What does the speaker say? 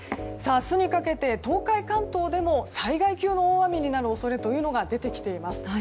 明日にかけて東海・関東でも災害級の大雨になる恐れというのが出てきています。